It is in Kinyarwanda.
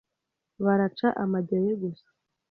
Baraca amajyo ye gusa